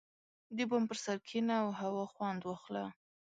• د بام پر سر کښېنه او هوا خوند واخله.